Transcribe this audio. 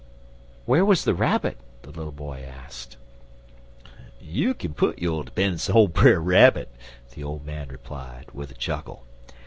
"Where was the Rabbit?" the little boy asked. "You kin put yo' 'pennunce in ole Brer Rabbit," the old man replied, with a chuckle.